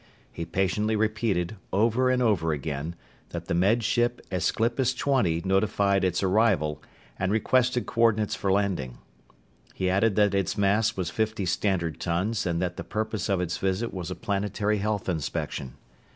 He patiently repeated, over and over again, that the Med Ship Aesclipus Twenty notified its arrival and requested coordinates for landing. He added that its mass was fifty standard tons and that the purpose of its visit was a planetary health inspection.